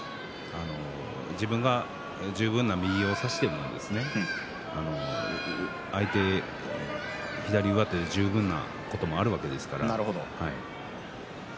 自分十分の右を差しても相手が左上手で十分なこともあるわけですから。